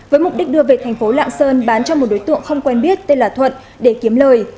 với mục đích đưa về thành phố lạng sơn bán cho một đối tượng không quen biết tên là thuận để kiếm lời